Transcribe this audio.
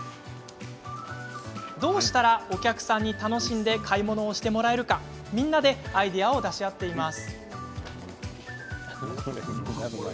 どうしたらお客さんに楽しんで買い物をしてもらえるかみんなでアイデアを出し合っています。